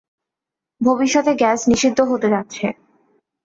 ভবিষ্যতে গ্যাস নিষিদ্ধ হতে যাচ্ছে।